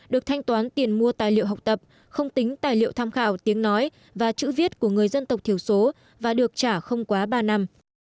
được thanh toán tiền mua tài liệu học tập không tính tài liệu tham khảo tiếng nói và chữ viết của người dân tộc thiểu số và được trả không quá ba năm